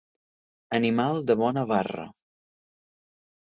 Animal de bona barra.